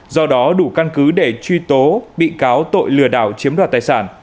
do đó đủ căn cứ để truy tố bị cáo tội lừa đảo chiếm đoạt tài sản